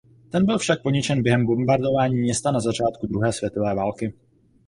Ten byl však poničen během bombardování města na začátku druhé světové války.